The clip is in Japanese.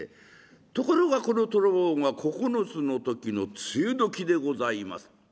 ところがこの虎坊が９つの時の梅雨時でございます。